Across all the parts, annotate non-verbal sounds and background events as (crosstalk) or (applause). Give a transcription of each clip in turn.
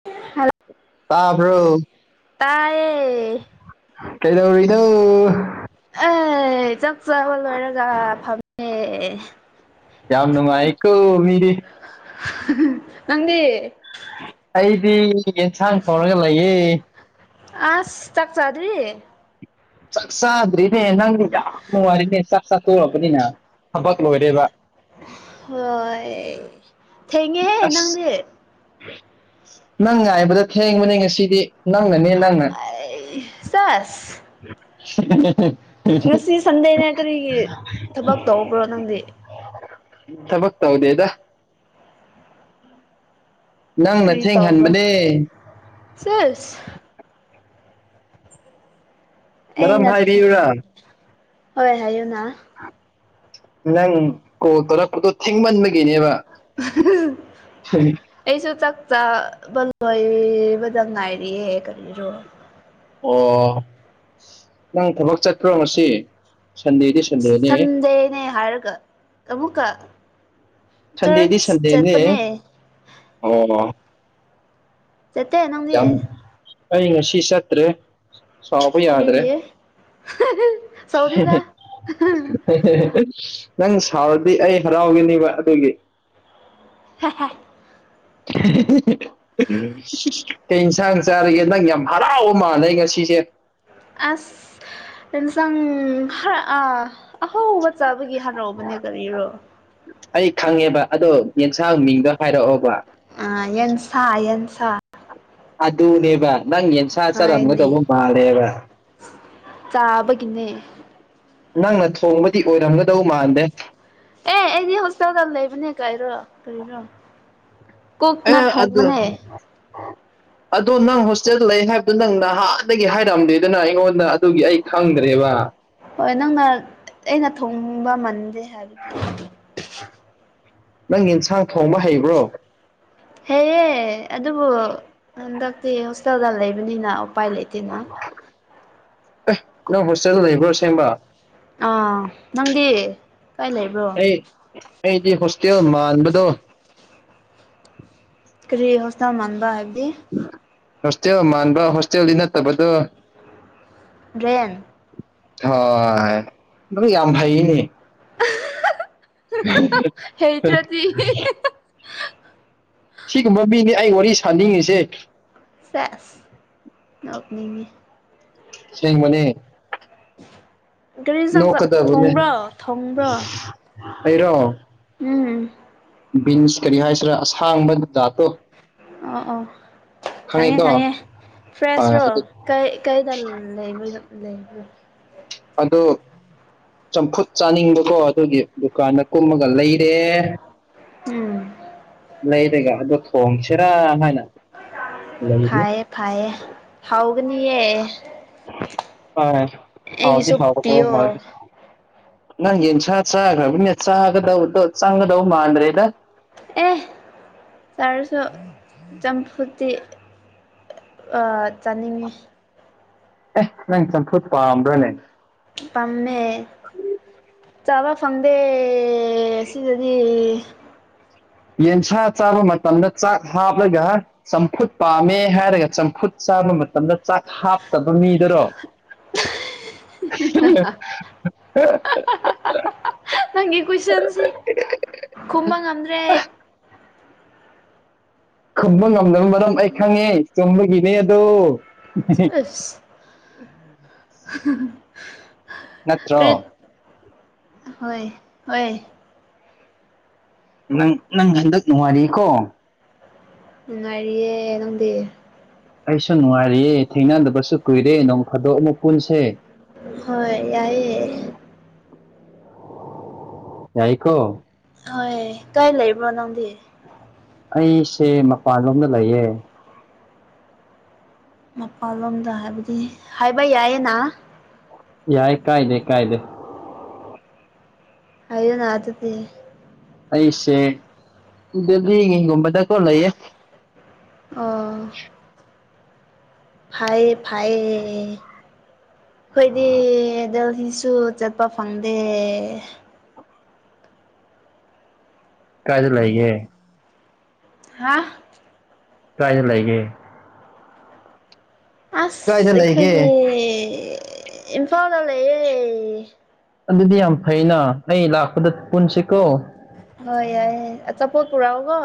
(unintelligible) ꯇꯥꯕ꯭ꯔꯣ ꯇꯏꯌꯦ ꯀꯩꯗꯧꯔꯤꯅꯣ ꯑꯦ ꯆꯥꯛ ꯆꯥꯕ ꯂꯣꯏꯔꯒ ꯐꯝꯃꯦ ꯌꯥꯝ ꯅꯨꯡꯉꯥꯏꯀꯣ ꯃꯤꯗꯤ ꯅꯪꯗꯤ ꯑꯩꯗꯤ ꯌꯦꯟꯁꯥꯡ ꯊꯣꯡꯉꯒ ꯂꯩꯌꯦ ꯑꯁ ꯆꯥꯛ ꯆꯥꯗꯔꯤ ꯆꯥꯛ ꯆꯥꯗ꯭ꯔꯤꯅꯦ ꯅꯪꯗꯤ ꯌꯥꯝ ꯅꯨꯡꯉꯥꯏꯔꯤꯅꯦ ꯆꯥꯛ ꯆꯥꯊꯣꯛꯑꯕꯅꯤꯅ ꯊꯕꯛ ꯂꯣꯏꯔꯦꯕ ꯍꯣꯏ ꯊꯦꯡꯉꯤꯍꯦ ꯑꯁ ꯅꯪꯗꯤ ꯅꯪ ꯉꯥꯏꯕꯗ ꯊꯦꯡꯕꯅꯦ ꯉꯁꯤꯗꯤ ꯅꯪꯅ ꯅꯦ ꯅꯪꯅ ꯑꯩ ꯁꯦꯁ (unintelligible) ꯉꯁꯤ ꯁꯟꯗꯦꯅꯦ ꯀꯔꯤꯒꯤ ꯊꯕꯛ ꯇꯧꯕ꯭ꯔꯣ ꯅꯪꯗꯤ ꯊꯕꯛ ꯇꯧꯗꯦꯗ ꯅꯪꯅ ꯀꯔꯤ ꯇꯧꯕ꯭ꯔꯥ ꯊꯦꯡꯍꯟꯕꯅꯦ ꯁꯤꯁ ꯑꯩ ꯃꯔꯝ (unintelligible) ꯍꯥꯏꯕꯤꯌꯨꯔꯥ ꯍꯣꯏ ꯍꯥꯏꯌꯨꯅꯥ ꯅꯪ ꯀꯣꯜ ꯇꯧꯔꯛꯄꯗꯣ ꯊꯤꯡꯃꯟꯕꯒꯤꯅꯦꯕ (unintelligible) ꯑꯩꯁꯨ ꯆꯥꯛ ꯆꯕ ꯂꯣꯏꯕꯗ ꯉꯥꯏꯔꯤꯌꯦ ꯀꯔꯤꯔꯣ ꯑꯣ ꯅꯪ ꯊꯕꯛ ꯆꯠꯄ꯭ꯔꯣ ꯉꯁꯤ ꯁꯟꯗꯦꯗꯤ ꯁꯟꯗꯦꯅꯦ ꯁꯟꯗꯦꯅꯦ ꯍꯥꯏꯔꯒ ꯑꯃꯨꯛꯀꯥ ꯁꯟꯗꯦꯗꯤ ꯆ꯭ꯔꯁ ꯆꯠꯄꯅꯦ ꯁꯟꯗꯦꯅꯦ ꯑꯣ ꯑꯣ ꯆꯠꯇꯦ ꯅꯪꯗꯤ ꯑꯩ ꯉꯁꯤ ꯆꯠꯇ꯭ꯔꯦ ꯁꯥꯎꯕ ꯌꯥꯗ꯭ꯔꯦ ꯀꯔꯤꯒꯤ ꯁꯧꯗꯦꯗ (unintelligible) ꯅꯪ ꯁꯥꯥꯎꯔꯗꯤ ꯑꯩ ꯍꯔꯥꯎꯒꯅꯦꯕ ꯑꯗꯨꯒꯤ (unintelligible) (unintelligible) ꯍꯟꯁꯥꯡ ꯆꯥꯔꯒꯦ ꯅꯪ ꯌꯥꯝ ꯍꯔꯥꯎꯕ ꯃꯥꯟꯂꯦ ꯉꯁꯤꯁꯦ ꯑꯁ ꯍꯦꯟꯁꯥꯡ ꯍꯥ ꯑꯥ ꯑꯍꯧꯕ ꯆꯥꯕꯒꯤ ꯍꯥꯔꯎꯕꯅꯦ ꯀꯔꯤꯔꯣ ꯑꯩ ꯈꯪꯉꯦꯕ ꯑꯗꯣ ꯌꯦꯟꯁꯥꯡ ꯃꯤꯡꯗꯣ ꯍꯥꯏꯔꯛꯑꯣꯕ ꯑꯥ ꯌꯦꯟꯁꯥ ꯌꯦꯟꯁꯥ ꯑꯗꯨꯅꯦꯕ ꯅꯪ ꯌꯦꯟꯁꯥ ꯍꯣꯏꯅꯦ ꯆꯠꯔꯝꯒꯗꯧꯕ ꯃꯥꯥꯜꯂꯦꯕ ꯆꯥꯕꯒꯤꯅꯦ ꯅꯪꯅ ꯊꯣꯡꯕꯗꯤ ꯑꯣꯏꯔꯝꯒꯗꯧ ꯃꯥꯟꯗꯦ ꯑꯦ ꯑꯩꯗꯤ ꯍꯣꯁꯇꯦꯜꯗ ꯂꯩꯕꯅꯦ ꯀꯥꯏꯔꯣ ꯀꯔꯤꯔꯣ ꯑꯦ ꯀꯣꯛꯅ ꯑꯗꯨ ꯊꯣꯡꯕꯅꯦ (inaudible) ꯑꯗꯣ ꯅꯪ ꯍꯣꯁꯇꯦꯜ ꯂꯩ ꯍꯥꯏꯕꯗꯨ ꯅꯪ ꯅꯍꯥꯟꯗꯒꯤ ꯍꯥꯏꯔꯝꯗꯦꯗꯅ ꯑꯩꯉꯣꯟꯗ ꯑꯗꯨꯒꯤ ꯑꯩ ꯈꯪꯗ꯭ꯔꯦꯕ ꯍꯣꯏ ꯅꯪꯅ ꯑꯩꯅ ꯊꯣꯡꯕ ꯃꯟꯗꯦ ꯍꯥꯏꯕꯒꯤ ꯅꯪ ꯌꯦꯟꯁꯥꯡ ꯊꯣꯡꯕ ꯍꯩꯕ꯭ꯔꯣ ꯍꯦꯑꯦ ꯑꯗꯨꯕꯨ ꯍꯟꯗꯛꯇꯤ ꯍꯣꯁꯇꯦꯜꯗ ꯂꯩꯕꯅꯤꯅ ꯎꯄꯥꯏ ꯂꯩ ꯑꯦ ꯅꯪ ꯍꯣꯁꯇꯦꯜ ꯂꯩꯕ꯭ꯔꯣ ꯑꯁꯦꯡꯕ ꯑꯥ ꯅꯪꯗꯤ ꯀꯥꯏ ꯂꯩꯕ꯭ꯔꯣ ꯑꯩ ꯑꯩꯗꯤ ꯍꯣꯁꯇꯦꯜ ꯃꯥꯟꯕꯗꯣ ꯀꯔꯤ ꯍꯣꯁꯇꯦꯜ ꯃꯥꯟꯕ ꯍꯥꯏꯕꯗꯤ ꯍꯣꯁꯇꯦꯜ ꯃꯥꯟꯕ ꯍꯣꯁꯇꯦꯜꯗꯤ ꯅꯠꯇꯕꯗꯣ ꯔꯦꯟꯠ ꯍꯣꯏ ꯑꯗꯨ ꯌꯥꯝ ꯐꯥꯏꯅꯦ ꯍꯩꯇꯔꯥꯗꯤ ꯁꯤꯒꯨꯝꯕ ꯃꯤꯅꯤ ꯑꯩ ꯋꯥꯔꯤ ꯁꯥꯥꯟꯅꯤꯡꯉꯤꯁꯦ ꯁꯦꯁ ꯅꯣꯛꯅꯤꯡꯉꯤ ꯑꯁꯦꯡꯕꯅꯦ ꯒꯥꯔꯤ ꯆ ꯅꯣꯛꯀꯗꯕꯅꯦ ꯊꯣꯡꯕ꯭ꯔꯣ ꯊꯣꯡꯕ꯭ꯔꯣ ꯑꯩꯔꯣ ꯎꯝ (inaudible) ꯕꯤꯟꯁ ꯀꯔꯤ ꯍꯥꯏꯁꯤꯔꯥ ꯑꯁꯥꯡꯕ ꯖꯥꯠ ꯇꯣ ꯑ ꯑꯣ ꯈꯪꯉꯦ ꯈꯪꯉꯤꯀꯣ ꯈꯪꯉꯦ ꯍꯣꯏ ꯐ꯭ꯔꯦꯁꯔꯣ ꯑꯗꯨ ꯀꯩ ꯀꯩꯗꯜ ꯂꯩꯕ ꯂꯩꯕ ꯑꯗꯨ ꯆꯝꯐꯨꯠ ꯆꯥꯅꯤꯡꯕꯗꯣ ꯑꯗꯨꯒꯤ ꯗꯨꯀꯥꯟꯗ ꯀꯨꯝꯃꯒ ꯂꯩꯔꯦ ꯎꯝ ꯂꯩꯔꯥꯒ ꯑꯗꯣ ꯊꯣꯡꯁꯤꯔꯥ ꯍꯥꯏꯅ ꯂꯩꯔꯤ ꯐꯌꯦ ꯐꯌꯦ ꯍꯥꯎꯒꯅꯤꯌꯦ ꯑ ꯍꯥꯎꯗꯤ ꯑꯩꯒꯤꯁꯨ ꯍꯥꯎꯒꯗꯩ ꯄꯤꯌꯣ ꯃꯥꯜꯂꯦ ꯅꯪ ꯌꯦꯟꯁꯥ ꯆꯥꯈ꯭ꯔꯕꯅꯤꯅ ꯆꯥꯒꯗꯧꯗꯣ ꯆꯥꯒꯗꯧ ꯃꯥꯟꯗ꯭ꯔꯦꯗ ꯑꯦ ꯇꯔꯁꯨ ꯆꯝꯐꯨꯠꯇꯤ ꯆꯥꯅꯤꯡꯉꯤ ꯑꯦ ꯅꯪ ꯆꯝꯐꯨꯠ ꯄꯥꯝꯗ꯭ꯔꯅꯦ ꯄꯝꯃꯦ ꯆꯥꯕ ꯐꯪꯗꯦ ꯁꯤꯗꯗꯤ ꯌꯦꯟꯁꯥ ꯆꯥꯕ ꯃꯇꯝꯗ ꯆꯥꯛ ꯍꯥꯞꯂꯒ ꯆꯝꯐꯨꯠ ꯄꯥꯝꯃꯦ ꯍꯥꯏꯔꯒ ꯆꯝꯐꯨꯠ ꯆꯥꯕ ꯃꯇꯝꯗ ꯆꯥꯛ ꯍꯥꯞꯇꯕ ꯃꯤꯗꯨꯔꯣ (unintelligible) ꯎ (unintelligible) ꯅꯪꯒꯤ ꯀꯨꯏꯁꯟꯁꯤ ꯈꯨꯝꯕ ꯉꯝꯗ꯭ꯔꯦ ꯑꯩ ꯈꯨꯝꯕ ꯉꯝꯗꯕꯅ ꯃꯔꯝ ꯑꯩ ꯈꯪꯉꯦ ꯆꯨꯝꯕꯒꯤꯅꯦ ꯑꯗꯣ ꯆꯁ ꯅꯠꯇ꯭ꯔꯣ ꯀꯔꯤ ꯍꯣꯏ ꯍꯣꯏ ꯅꯪ ꯅꯪ ꯍꯟꯗꯛ ꯅꯨꯡꯉꯥꯏꯔꯤꯀꯣ ꯅꯨꯡꯉꯥꯏꯔꯤꯌꯦ ꯅꯪꯗꯤ ꯑꯩꯁꯨ ꯅꯨꯡꯉꯥꯏꯔꯤꯌꯦ ꯊꯦꯡꯅꯗꯕꯁꯨ ꯀꯨꯏꯔꯦ ꯅꯣꯡ ꯐꯥꯗꯣꯛ ꯑꯃꯨꯛ ꯄꯨꯟꯁꯦ ꯍꯣꯏ ꯌꯥꯏꯑ ꯌꯥꯏꯀꯣ ꯍꯣꯏ ꯀꯥꯏ ꯂꯩꯕ꯭ꯔꯣ ꯅꯪꯗꯤ ꯑꯩꯁꯦ ꯃꯄꯥꯟꯂꯣꯝꯗ ꯂꯩꯌꯦ ꯃꯄꯥꯟꯂꯣꯝꯗ ꯍꯥꯏꯕꯗꯤ ꯍꯥꯏꯕ ꯌꯥꯏꯌꯦꯅ ꯌꯥꯏ ꯀꯥꯏꯗꯦ ꯀꯥꯏꯗꯦ ꯍꯥꯌꯣꯅꯥ ꯑꯗꯨꯗꯤ ꯑꯩꯁꯦ ꯗꯦꯜꯂꯤ ꯒꯨꯝꯕꯗ ꯀꯣ ꯂꯩꯌꯦ ꯑꯣ ꯐꯌꯦꯐꯌꯦ ꯑꯩꯈꯣꯏꯗꯤ ꯗꯦꯜꯍꯤꯁꯨ ꯆꯠꯄ ꯐꯪꯗꯦ ꯀꯥꯏꯗ ꯂꯩꯒꯦ ꯍꯥꯥ ꯀꯥꯏꯗ ꯂꯩꯒꯦ ꯀꯥꯏꯗ ꯑꯁ ꯂꯩꯒꯦ ꯑꯩꯈꯣꯏꯒꯤ ꯏꯝꯐꯥꯜꯗ ꯂꯩꯌꯦ ꯑꯗꯨꯗꯤ ꯌꯥꯝ ꯐꯩꯅ ꯑꯩ ꯂꯥꯛꯄꯗ ꯄꯨꯟꯁꯤꯀꯣ ꯍꯣꯏ ꯌꯥꯏ ꯌꯥꯏ ꯑꯆꯥꯄꯣꯠ ꯄꯨꯔꯛꯑꯣ ꯀꯣ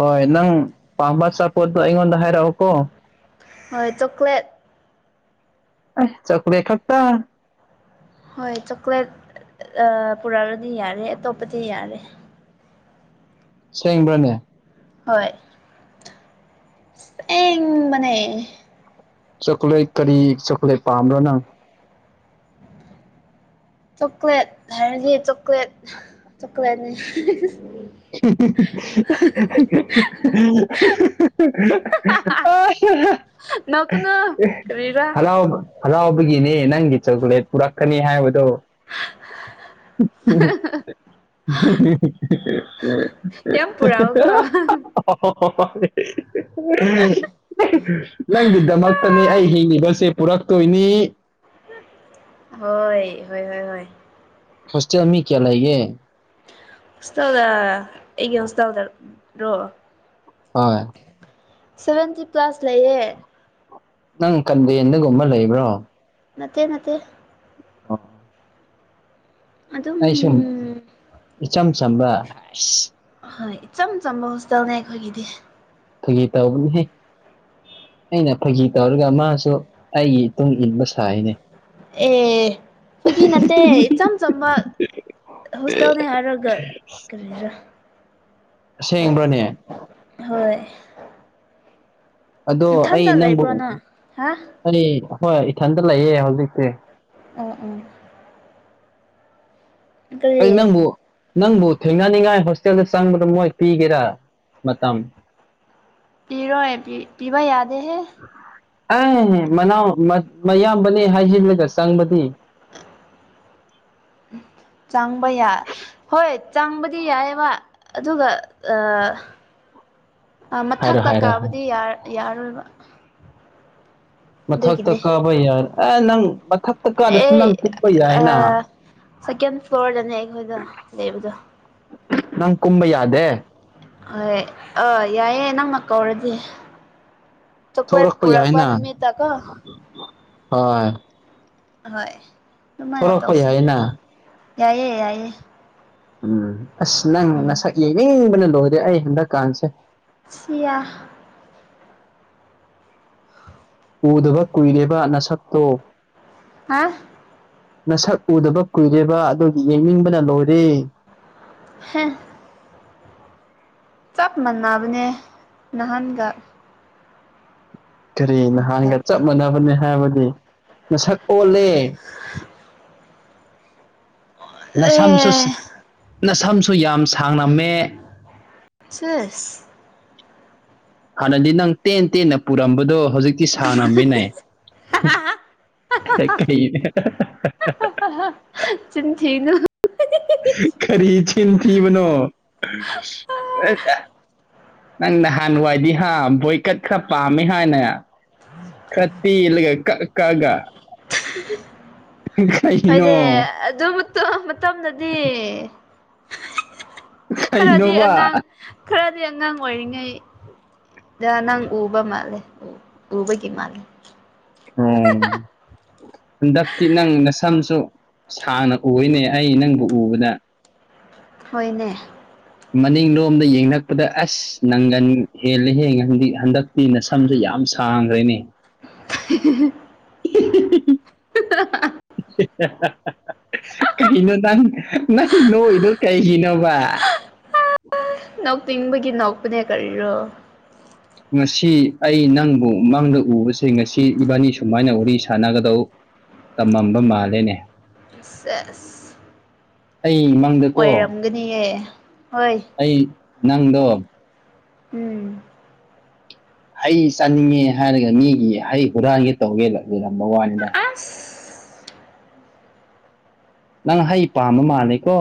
ꯍꯣꯏ ꯅꯪ ꯄꯥꯝꯕ ꯆꯄꯣꯠꯠꯇ ꯑꯩꯉꯣꯟꯗ ꯍꯥꯏꯔꯛꯑꯣꯀꯣ ꯍꯣꯏ ꯆꯀ꯭ꯂꯦꯠ ꯆꯣꯀꯣꯂꯥꯠ ꯈꯛꯇꯥ ꯍꯣꯏ ꯆꯣꯀ꯭ꯂꯦꯠ ꯄꯨꯔꯛꯔꯗꯤ ꯌꯥꯔꯦ ꯑꯇꯣꯞꯄꯗꯤ ꯌꯥꯔꯦ ꯁꯦꯡꯕ꯭ꯔꯅꯦ ꯍꯣꯏ ꯑꯦꯕꯅꯦ ꯆꯥꯛꯀ꯭ꯂꯦꯠ ꯀꯔꯤ ꯆꯣꯀꯣ꯭ꯂꯦꯠ ꯄꯥꯝꯕꯅꯣ ꯅꯪ ꯆꯣꯀ꯭ꯂꯦꯠ ꯍꯥꯏꯔꯗꯤ ꯆꯣꯀ꯭ꯂꯦꯠ ꯆꯀ꯭ꯂꯦꯠꯅꯤ (unintelligible) ꯅꯣꯛꯀꯅꯨ ꯀꯔꯤꯔꯥ ꯍꯜꯂꯣ ꯍꯂꯥꯎꯕꯒꯤꯅꯦ ꯅꯪꯒꯤ ꯆꯣꯀ꯭ꯂꯦꯠ ꯄꯨꯔꯛꯀꯅꯤ ꯍꯥꯏꯕꯗꯣ (unintelligible) ꯇ ꯌꯥꯝ ꯄꯨꯔꯛꯑꯣꯀꯣ ꯍ ꯅꯪꯒꯤꯗꯃꯛꯇꯅꯦ ꯑꯩ ꯍꯤꯡꯉꯤꯕꯁꯦ ꯄꯨꯔꯛꯇꯣꯏꯅꯤ ꯍꯣꯏ ꯍꯣꯏ ꯍꯣꯏ ꯍꯣꯏ ꯍꯣꯁꯇꯦ ꯑꯃꯃꯤ ꯀꯌꯥ ꯂꯒꯦ ꯍꯁꯥꯎꯗ ꯑꯩꯒ ꯍꯁꯎꯗ ꯔꯣ ꯍꯣꯏ ꯁꯚꯦꯟꯇꯤ ꯀ꯭ꯂꯥꯁ ꯂꯩꯌꯦ ꯅꯪ ꯀꯟꯗꯦꯟꯗꯒꯨꯝꯕ ꯂꯩꯕ꯭ꯔꯣ ꯅꯠꯇꯦ ꯅꯠꯇꯦ ꯑ ꯑꯗꯨꯝ ꯑꯩ ꯁꯨꯝ ꯏꯆꯝ ꯆꯝꯕ ꯑ ꯍꯣꯏ ꯏꯆꯝ ꯆꯝꯕ ꯍꯣꯁꯇꯦꯜꯅꯦ ꯑꯩꯈꯣꯏꯒꯤꯗꯤ ꯊꯒ ꯇꯧꯕꯕꯅꯤꯍ ꯑꯩꯅ ꯐꯒꯤ ꯇꯧꯔꯒ ꯃꯥꯁꯨ ꯑꯩꯒꯤ ꯃꯇꯨꯡꯨꯡ ꯏꯟꯕ ꯁꯥꯏꯅꯦ ꯑꯦ ꯑꯩꯈꯣꯏꯒꯤ ꯅꯠꯇꯦ ꯏꯆꯝ ꯆꯝꯕ ꯍꯣꯁ ꯇꯧꯅꯦ ꯑꯔꯒ ꯀꯔ ꯁꯦꯡꯕ꯭ꯔꯅꯦ ꯍꯣꯏ ꯑꯗꯣ ꯑꯩ ꯏꯊꯟꯇ ꯅꯪꯕꯨ ꯂꯩꯕ꯭ꯔꯣ ꯅꯪ ꯍꯥ ꯑꯩ ꯍꯣꯏ ꯏꯊꯟꯗ ꯂꯩꯌꯦ ꯍꯧꯖꯤꯛꯁꯤ ꯎꯝ ꯎꯝ ꯀꯔꯤ ꯑꯩ ꯅꯪꯕꯨ ꯅꯪꯕꯨ ꯊꯦꯡꯅꯅꯤꯡꯉꯥꯏ ꯍꯣꯁꯇꯦꯜꯗ ꯆꯪꯕꯗꯣ ꯃꯣꯏ ꯄꯤꯒꯦꯔꯥ ꯃꯇꯝ ꯄꯤꯔꯣ ꯄ ꯄꯤꯕ ꯌꯥꯗꯦꯍꯦ ꯑ ꯃꯅꯥꯎ ꯃꯌꯥꯝꯕꯅꯦ ꯍꯥꯏꯖꯤꯜꯂꯒ ꯆꯪꯕꯗꯤ ꯆꯥꯡꯕ ꯌꯥ ꯍꯣꯏ ꯆꯥꯡꯕꯗꯤ ꯌꯥꯏꯑꯕ ꯑꯗꯨꯒ ꯍꯥꯏꯔꯣ ꯃꯊꯛꯇ ꯍꯥꯏꯔꯣ ꯀꯥꯕꯨꯗꯤ ꯌꯥꯔꯣꯏꯕ ꯃꯊꯛꯇ ꯑꯗꯨꯒꯤꯅꯦ ꯀꯥꯕ ꯌꯥꯏ ꯑꯦ ꯅꯪ ꯃꯊꯛꯇ ꯀꯥꯗꯁꯨ ꯑꯩ ꯅꯪ ꯀꯨꯞꯄ ꯑ ꯌꯥꯏꯅ ꯁꯦꯀꯦꯟ ꯐ꯭ꯂꯣꯔꯗꯅꯦ ꯑꯩꯈꯣꯏꯗ ꯂꯩꯕꯗꯣ ꯅꯪ ꯀꯨꯝꯕ ꯌꯥꯗꯦ ꯍ ꯑꯥ ꯌꯥꯏꯑꯦ ꯅꯪꯃꯛ ꯀꯧꯔꯗꯤ ꯆꯄꯠ ꯊꯣꯛꯂꯛꯄ ꯄꯨꯔꯛꯄ ꯌꯥꯏꯅ ꯅꯨꯃꯤꯀꯣ ꯍꯣꯏ ꯍꯣꯏ ꯑꯗꯨꯃꯥꯏꯅ ꯊꯣꯛꯂꯛꯄ ꯇꯧꯁꯦ ꯌꯥꯏꯅ ꯌꯥꯏꯌꯦꯦ ꯌꯥꯏꯌꯦ ꯎꯝ ꯑꯁ ꯅꯪ ꯎꯝ ꯅꯁꯛ ꯌꯦꯡꯅꯤꯡꯕꯅ ꯂꯣꯏꯔꯦ ꯑꯩ ꯍꯟꯗꯛꯀꯥꯟꯁꯦ ꯁꯤ꯭ꯌꯥ ꯎꯗꯕ ꯀꯨꯏꯔꯦꯕ ꯅꯁꯛꯇꯣ ꯍꯥ ꯅꯁꯛ ꯎꯗꯕ ꯀꯨꯏꯔꯦꯕ ꯑꯗꯨꯒꯤ ꯌꯦꯡꯅꯤꯡꯕꯅ ꯂꯣꯏꯔꯦ ꯍꯦ ꯆꯞ ꯃꯥꯟꯅꯕꯅꯦ ꯅꯍꯥꯟꯒ ꯀꯔꯤ ꯅꯍꯥꯟꯒ ꯆꯞ ꯍꯟꯗꯛꯇꯣ ꯃꯥꯟꯅꯕꯅꯤ ꯍꯥꯏꯕꯗꯤ ꯃꯁꯛ ꯑꯣꯜꯂꯦ ꯅꯁꯝꯁꯨ ꯑꯦ ꯅꯁꯝꯁꯨ ꯌꯥꯝ ꯁꯥꯡꯂꯝꯝꯃꯦ ꯆꯦꯁ ꯍꯥꯟꯅꯗꯤ ꯅꯪ ꯇꯦꯟ ꯇꯦꯟꯅ ꯄꯨꯔꯝꯕꯗꯣ ꯍꯧꯖꯤꯛ ꯏꯁ ꯁꯥꯟꯅꯃꯤꯟꯅꯩ ꯀ ꯆꯤꯟꯊꯤꯅ ꯀꯔꯤ ꯊꯤꯟ ꯊꯤꯕꯅꯣ ꯅꯪ ꯅꯍꯥꯟꯋꯥꯏꯗꯤ ꯍꯥ ꯕꯣꯏꯀꯠ ꯈꯔ ꯄꯥꯝꯃꯤ ꯍꯥꯏꯅꯦ ꯀꯠꯇꯤ ꯏꯂꯒ ꯀ ꯀꯒ ꯃꯗꯦ ꯀꯩꯅꯣ ꯑꯗꯨ ꯃꯇꯝꯗꯗꯤ ꯈꯔꯗꯤ ꯀꯩꯅꯣꯕ ꯑꯉꯥꯡ ꯈꯔꯗꯤ ꯑꯉꯥꯡ ꯑꯣꯏꯔꯤꯉꯩ ꯗ ꯅꯪ ꯎꯕ ꯃꯥꯜꯂꯦ ꯎꯕꯒꯤ ꯃꯥꯜꯂꯦ ꯍꯝ ꯍꯟꯗꯛꯇꯤ ꯅꯪ ꯅꯁꯝꯁꯨ ꯁꯥꯡꯅ ꯎꯅꯦ ꯑꯩ ꯅꯪꯕꯨ ꯎꯕꯗ ꯍꯣꯏꯅꯦ ꯃꯅꯤꯡꯂꯣꯝꯗ ꯌꯦꯡꯛꯄꯗ ꯑꯁ ꯅꯪꯒꯟ ꯍꯦꯂꯦ ꯍꯦ ꯍꯟꯗꯛ ꯃꯤꯅ ꯁꯝꯁꯨ ꯌꯥꯝ ꯁꯥꯡꯈ꯭ꯔꯦꯅꯦ (inaudible) (unintelligible) (inaudible) ꯀꯩꯅꯣ ꯅꯪ ꯅꯪ ꯅꯣꯏꯗꯣ ꯀꯩꯒꯤꯅꯕ ꯅꯣꯛꯅꯤꯡꯕꯒꯤ ꯅꯣꯛꯄꯅꯦ ꯀꯔꯤꯔꯣ ꯉꯁꯤ ꯑꯩ ꯅꯪꯕꯨ ꯃꯥꯡꯗ ꯎꯕꯁꯦ ꯉꯁꯤ ꯏꯕꯥꯅꯤ ꯁꯨꯃꯥꯏꯅ ꯋꯥꯔꯤ ꯁꯥꯟꯅꯒꯗꯧ ꯇꯝꯃꯝꯕ ꯃꯥꯜꯂꯦꯅꯦ ꯑꯦ ꯑꯩ ꯃꯪ ꯗꯀꯣ (unintelligible) ꯍꯣꯏ ꯑꯩ ꯅꯪꯗꯣ ꯎꯝ ꯍꯩ ꯆꯥꯅꯤꯡꯉꯦ ꯍꯥꯏꯔꯒ ꯃꯤꯒꯤ ꯍꯩ ꯍꯨꯔꯥꯟꯒꯦ ꯇꯧꯒꯦ ꯇꯧꯔꯝꯕꯩ ꯋꯥꯅꯤꯗ ꯑꯁ ꯅꯪ ꯍꯩ ꯄꯥꯝꯕ ꯃꯥꯜꯂꯦꯀꯣ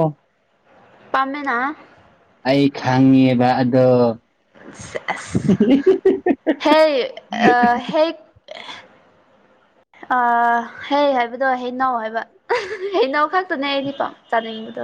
ꯄꯥꯝꯃꯦꯅ ꯑꯩ ꯈꯪꯉꯦꯕ ꯑꯗꯣ ꯑꯁ (unintelligible) ꯑ ꯍꯩ ꯍꯥꯏꯕꯗꯣ ꯍꯩꯅꯎ ꯍꯏꯕ ꯍꯩꯅꯧ ꯈꯛꯇꯅꯦ ꯑꯩꯗꯤ ꯀꯣ ꯆꯅꯤꯡꯕꯗꯣ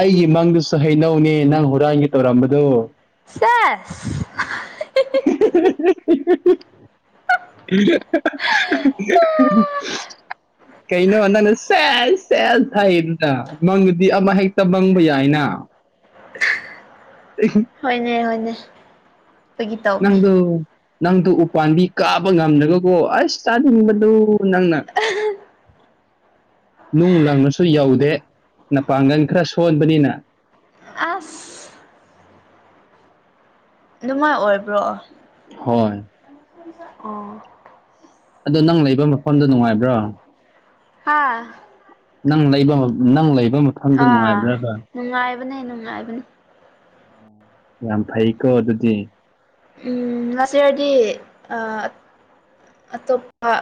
ꯑꯩꯒꯤ ꯃꯪꯗꯁꯨ ꯍꯩꯅꯧꯅꯦ ꯅꯪ ꯍꯨꯔꯥꯟꯒꯦ ꯇꯧꯔꯝꯕꯗꯨꯣ ꯁꯦꯖ (unintelligible) (unintelligible) ꯀꯩꯅꯣ ꯅꯪꯅ ꯁꯦꯖ ꯁꯦꯖ ꯍꯥꯏꯔꯤꯗꯨꯅ ꯃꯪꯗꯨꯗꯤ ꯑꯃ ꯍꯦꯛꯇ ꯃꯪꯕ ꯌꯏꯅ (inaudible) ꯍꯣꯏꯅꯦ ꯍꯣꯏꯅꯦ ꯐꯥꯒꯤ ꯇꯧꯕꯅꯦ ꯅꯪꯗꯨ ꯅꯪꯗꯨ ꯎꯄꯥꯥꯟꯕꯤ ꯀꯕ ꯉꯝꯗ꯭ꯔꯒꯀꯣ ꯑꯁ ꯆꯥꯅꯤꯡꯕꯗꯨ ꯅꯪꯅ (inaudible) ꯅꯨꯡ ꯂꯪꯕꯁꯨ ꯌꯧꯗꯦ ꯃꯄꯥꯡꯒꯜ ꯈꯔ ꯁꯣꯟꯕꯅꯤꯅ ꯑꯖ ꯅꯨꯡꯉꯥꯏ ꯑꯣꯏꯕ꯭ꯔꯣ ꯍꯣꯏ ꯑꯣ꯬꯬꯬ ꯑꯗꯣ ꯅꯪ ꯂꯩꯕ ꯃꯐꯝꯗꯣ ꯅꯨꯡꯉꯥꯏꯕ꯭ꯔꯣ ꯍꯥꯥ ꯅꯪ ꯂꯩꯕ ꯅꯪ ꯂꯩꯐꯝ ꯑꯥ ꯅꯨꯡꯉꯥꯏꯕꯅꯦ ꯅꯨꯡꯉꯥꯏꯕꯅꯦ ꯌꯥꯝ ꯐꯩꯀꯣ ꯑꯗꯨꯗꯤ ꯎꯝ ꯅꯆꯦꯗꯤ ꯑꯥ ꯑꯇꯣꯞꯄ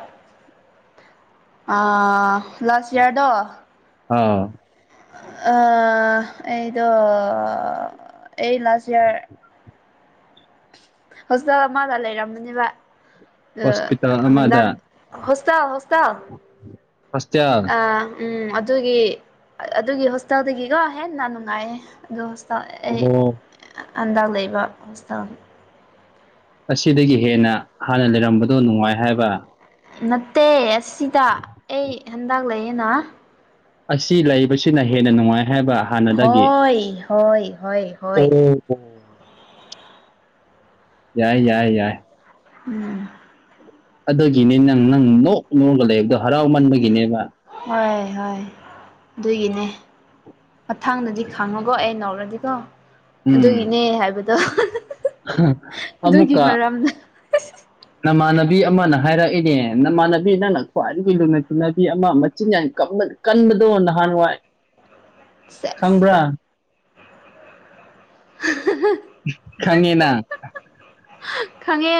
ꯑꯥ ꯂꯥꯁ ꯋ꯭ꯔ ꯗꯣ ꯑꯥ ꯑ꯬꯬꯬꯬ ꯑꯩꯗꯣ ꯑꯩ ꯂꯥꯁ ꯏꯋ꯭ꯔ (inaudible) ꯍꯣꯁꯇꯦꯜꯗ ꯃꯒ ꯂꯩꯔꯝꯃꯤꯅꯦꯕ ꯍꯣꯁꯄꯤꯇꯥꯜ ꯍꯟꯗꯛ ꯑꯃꯗ (unintelligible) ꯍꯣꯁꯇꯦꯜ ꯑ ꯎꯝ ꯑꯗꯨꯒꯤ ꯑꯗꯨꯒꯤ ꯍꯣꯁꯇꯦꯜꯗꯒꯤꯀꯣ ꯍꯦꯟꯅ ꯅꯨꯡꯉꯥꯏꯌꯦ ꯑꯣ (unintelligible) ꯑꯁꯤꯗꯒꯤ ꯍꯦꯟꯅ ꯍꯥꯟꯅ ꯂꯩꯔꯝꯕꯗꯣ ꯅꯨꯡꯉꯥꯏ ꯍꯥꯏꯕ ꯅꯠꯇꯦ ꯑꯁꯤꯗ ꯑꯩ ꯍꯟꯗꯛ ꯂꯩꯌꯦꯅ ꯑꯁꯤ ꯂꯩꯕꯁꯤꯅ ꯍꯦꯟꯅ ꯅꯨꯡꯉꯥꯏ ꯍꯥꯏꯕ ꯍꯥꯟꯅꯗꯒꯤ ꯍꯣꯏ ꯍꯣꯏ ꯍꯣꯏ ꯍꯣꯏ ꯑꯣ (inaudible) ꯌꯥꯏ ꯌꯥꯏ ꯌꯥꯏ ꯎꯝ ꯑꯗꯨꯒꯤꯅꯤ ꯅꯪ ꯅꯪ ꯅꯣꯛ ꯅꯣꯛꯂ ꯂꯩꯕꯗꯣ ꯍꯔꯥꯎꯃꯟꯕꯒꯤꯅꯦꯕ ꯍꯣꯏ ꯍꯣꯏ ꯑꯗꯨꯒꯤꯅꯦ ꯃꯊꯡꯗꯗꯤ ꯈꯪꯉꯣꯀꯣ ꯑꯩ ꯅꯣꯛꯂꯗꯤꯀꯣ ꯎꯝ ꯑꯗꯨꯒꯤꯅꯦ ꯍꯥꯏꯕꯗꯣ ꯑꯗꯨꯒꯤ ꯑꯃꯨꯛꯀ ꯃꯔꯝꯗ (unintelligible) ꯅꯃꯥꯟꯅꯕꯤ ꯑꯃꯅ ꯍꯥꯏꯔꯛꯏꯅꯦ ꯅꯃꯥꯟꯅꯕꯤ ꯅꯪꯅ ꯈ꯭ꯋꯥꯏꯗꯒꯤ ꯂꯨꯅ ꯇꯤꯟꯅꯕꯤ ꯑꯃ ꯃꯆꯤꯟ ꯌꯥꯏ ꯀꯝꯕ ꯀꯟꯕꯗꯣ ꯅꯍꯥꯟꯋꯥꯏ (inaudible) ꯁꯦꯁ ꯈꯪꯕ꯭ꯔꯥ ꯈꯪꯉꯦꯅ ꯈꯪꯉꯦ